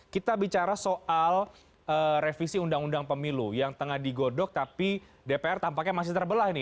kita bicara soal revisi undang undang pemilu yang tengah digodok tapi dpr tampaknya masih terbelah ini